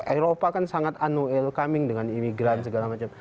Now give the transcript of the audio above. eropa kan sangat un welcome dengan imigran segala macam